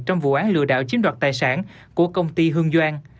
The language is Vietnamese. trong vụ án lừa đảo chiếm đoạt tài sản của công ty hương giang